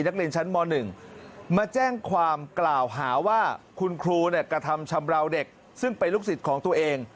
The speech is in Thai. นักเรียนชั้นม๑มาแจ้งความกล่าวหาว่าคุณครูกระทำชำราวเด็กซึ่งเป็นลูกศิษย์ของตัวเอง